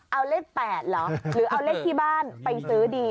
เอาเลข๘เหรอหรือเอาเลขที่บ้านไปซื้อดี